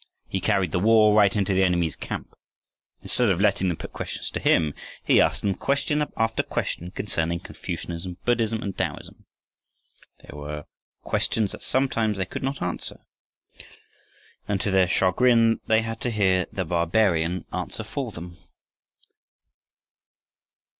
He carried the war right into the enemy's camp. Instead of letting them put questions to him, he asked them question after question concerning Confucianism, Buddhism, and Taoism. They were questions that sometimes they could not answer, and to their chagrin they had to hear "the barbarian" answer for them.